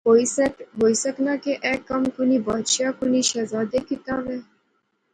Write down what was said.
ہوئی سکنا کہ ایہہ کم کُنی بادشاہ، کنی شہزادے کیتیا وہے